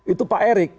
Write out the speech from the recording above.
itu pak erik